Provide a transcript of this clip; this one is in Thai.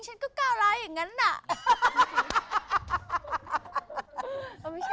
เจนก็เก้าหลาวเหมือนเงี้ย